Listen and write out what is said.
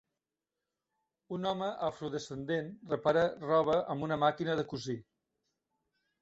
Un home afrodescendent repara roba amb una màquina de cosir